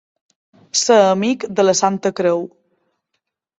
Ser amic de la Santa Creu.